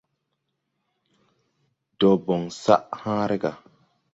Dɔɔ bon sag hããre ga.